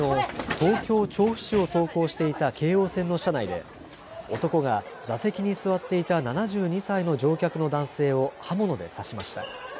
東京調布市を走行していた京王線の車内で男が座席に座っていた７２歳の乗客の男性を刃物で刺しました。